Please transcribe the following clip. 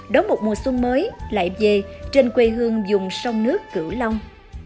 đóng một mùa xuân mới lại về trên quê hương dùng sông nước cửu long